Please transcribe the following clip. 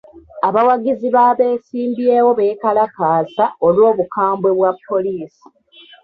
Abawagizi b'abeesimbyewo beekalakaasa olw'obukambwe bwa poliisi.